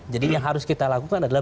jadi yang harus kita lakukan adalah